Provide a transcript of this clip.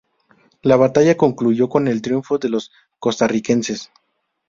La batalla concluyó con el triunfo de los costarricenses.